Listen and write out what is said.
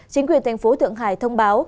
chính quyền thành phố thượng hải thông báo